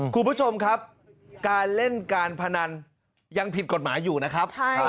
คุณผู้ชมครับการเล่นการพนันยังผิดกฎหมายอยู่นะครับ